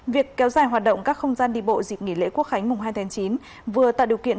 việc kéo dài hoạt động các không gian đi bộ dịp nghỉ lễ quốc khánh mùng hai tháng chín vừa tạo điều kiện